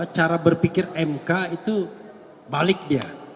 cara berpikir mk itu balik dia